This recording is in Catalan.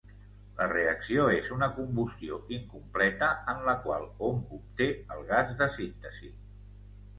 La reacció és una combustió incompleta en la qual hom obté el gas de síntesi.